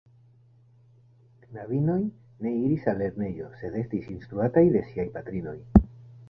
Knabinoj ne iris al lernejo, sed estis instruataj de siaj patrinoj.